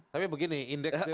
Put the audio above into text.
tapi begini indeks itu